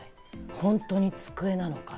本当に机なのか？